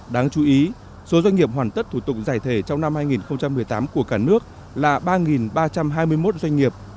đáng chú ý số doanh nghiệp hoàn tất thủ tục giải thể trong năm hai nghìn một mươi tám của cả nước là ba ba trăm hai mươi một doanh nghiệp